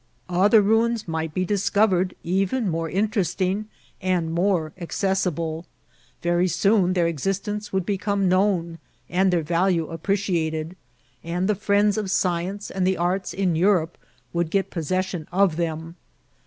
Other ruins might be discovered even more interesting and more accessible. Very soon their existence would become known and their value appreciated, and the friends of science and the arts in Europe would get possession of them.